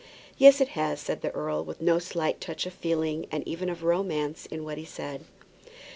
"Yes, it has," said the earl, with no slight touch of feeling and even of romance in what he said.